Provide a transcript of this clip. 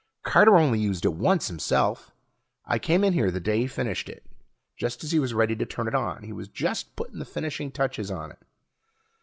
Carter only used it once himself. I came in here the day he finished it, just as he was ready to turn it on. He was just putting the finishing touches on it.